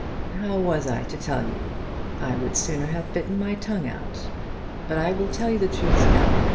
"How was I to tell you? I would sooner have bitten my tongue out. But I will tell you the truth now.